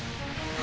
あ！